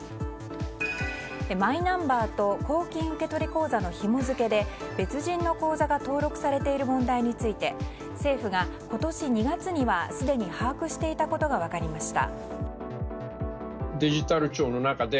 マイナンバーと公金受取口座のひも付けで別人の口座が登録されている問題について政府が、今年２月にはすでに把握していたことが分かりました。